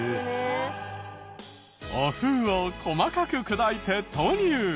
お麩を細かく砕いて投入。